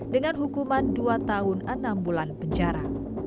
dengan hukuman dua tahun enam bulan penjara